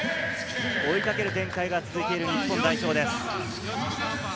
追いかける展開が続いている日本代表です。